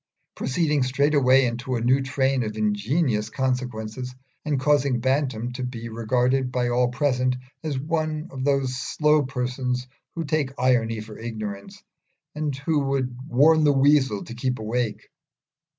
proceeding straightway into a new train of ingenious consequences, and causing Bantam to be regarded by all present as one of those slow persons who take irony for ignorance, and who would warn the weasel to keep awake.